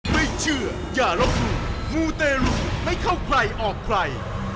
มูนัย